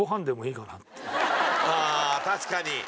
あ確かに。